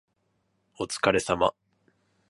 お疲れ様